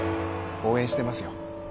応援してますよ。